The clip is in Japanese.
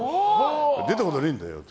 出たことねえんだよって。